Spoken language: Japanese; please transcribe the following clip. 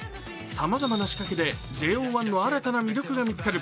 さまざまな仕掛けでＪＯ１の新たな魅力が見つかる